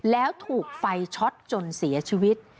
แล้วถูกไฟช็อตจนเสียชีวิต